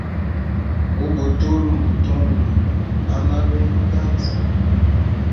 Ubutula mbutundu ano elungu muganza.